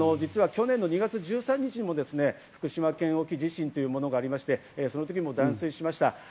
去年の２月１３日にも福島県沖地震というものがありまして、その時も断水しました。